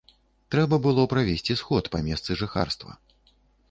Трэба было правесці сход па месцы жыхарства.